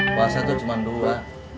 kuasa itu cuma dua